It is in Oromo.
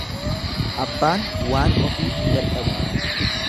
Abbaan waan ofii hin dadhabu.